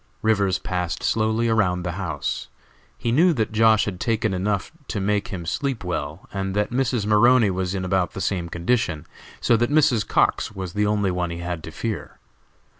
Rivers passed slowly around the house. He knew that Josh. had taken enough to make him sleep well, and that Mrs. Maroney was in about the same condition, so that Mrs. Cox was the only one he had to fear.